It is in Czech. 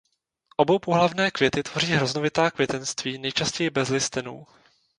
Oboupohlavné květy tvoří hroznovitá květenství nejčastěji bez listenů.